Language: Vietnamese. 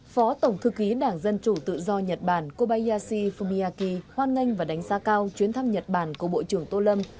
phó tổng thư ký đảng dân chủ tự do nhật bản kobayashi fumiyaki hoan nghênh và đánh giá cao chuyến thăm nhật bản của bộ trưởng tô lâm